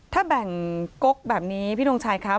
ถ้าแบ่งกกแบบนี้พี่ทงชัยครับ